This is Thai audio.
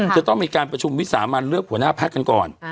จะต้องมีการประชุมวิสามันเลือกหัวหน้าพักกันก่อน